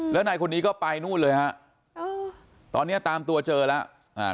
แล้วนายคนนี้ก็ไปนู่นเลยฮะตอนเนี้ยตามตัวเจอแล้วอ่า